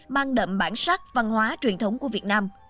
mang đậm bản sắc văn hóa truyền thống của việt nam